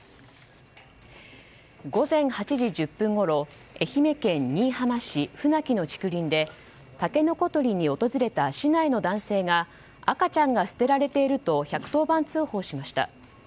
午前８時１０分ごろ愛媛県新居浜市船木の竹林でタケノコとりに訪れた市内の男性が赤ちゃんが捨てられていると１１０番通報しました。